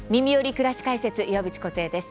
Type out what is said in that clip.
くらし解説」岩渕梢です。